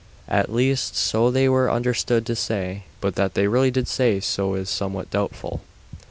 At least, so they were understood to say, but that they really did say so is somewhat doubtful.